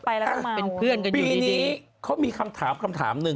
ปีนี้เขามีคำถามหนึ่ง